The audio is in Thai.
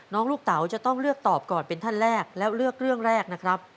ลูกเต๋าจะต้องเลือกตอบก่อนเป็นท่านแรกแล้วเลือกเรื่องแรกนะครับ